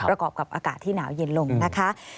ประกอบกับอากาศที่หนาวเย็นลงนะคะ